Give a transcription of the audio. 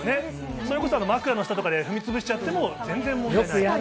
それこそ枕の下とかで、踏み潰しちゃっても、全然問題ない。